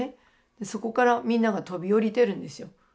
そこからみんなが飛び降りてるんですよ。